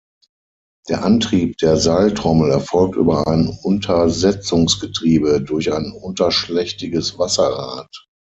Der Antrieb der Seiltrommel erfolgt über ein Untersetzungsgetriebe durch ein unterschlächtiges Wasserrad.